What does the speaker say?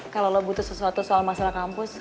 kalau lo butuh sesuatu soal masalah kampus